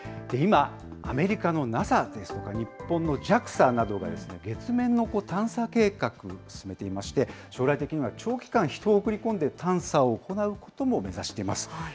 今、アメリカのＮＡＳＡですとか、日本のＪＡＸＡなどが月面の探査計画進めていまして、将来的には長期間、人を送り込んで、探査を行うことも目指しています。